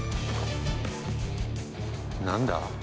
何だ？